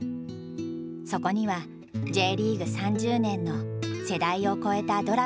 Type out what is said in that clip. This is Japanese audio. そこにはＪリーグ３０年の世代を超えたドラマがある。